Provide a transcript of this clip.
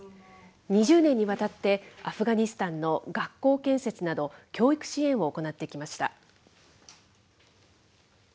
２０年にわたってアフガニスタンの学校建設など、教育支援を行ってきました。